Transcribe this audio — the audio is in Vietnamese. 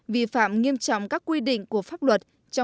vi phạm nghiêm trọng các quy định của pháp luật